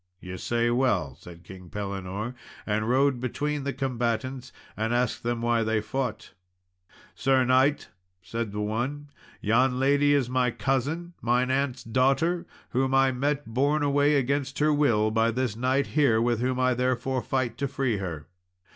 "Ye say well," said King Pellinore, and rode between the combatants, and asked them why they fought. "Sir knight," said the one, "yon lady is my cousin, mine aunt's daughter, whom I met borne away against her will, by this knight here, with whom I therefore fight to free her."